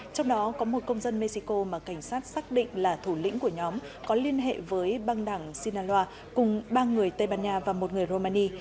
trong đó có một công dân mexico mà cảnh sát xác định là thủ lĩnh của nhóm có liên hệ với băng đảng sinaloa cùng ba người tây ban nha và một người romani